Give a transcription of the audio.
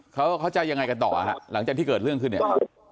เขาเขาจะยังไงกันต่อฮะหลังจากที่เกิดเรื่องขึ้นเนี่ย